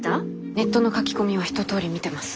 ネットの書き込みは一とおり見てます。